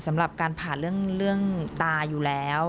สำหรับการผ่าเรื่องตาอยู่แล้ว